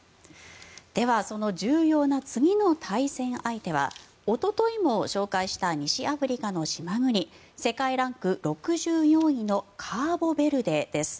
では、その重要な次の対戦相手はおとといも紹介した西アフリカの島国世界ランク６４位のカーボベルデです。